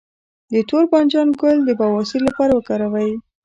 د تور بانجان ګل د بواسیر لپاره وکاروئ